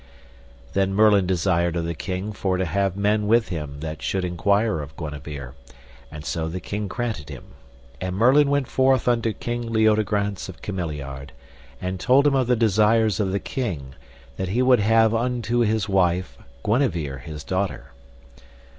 Then Merlin desired of the king for to have men with him that should enquire of Guenever, and so the king granted him, and Merlin went forth unto King Leodegrance of Cameliard, and told him of the desires of the king that he would have unto his wife Guenever his daughter.